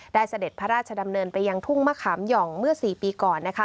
เสด็จพระราชดำเนินไปยังทุ่งมะขามหย่องเมื่อ๔ปีก่อน